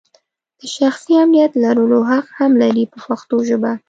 د شخصي امنیت لرلو حق هم لري په پښتو ژبه.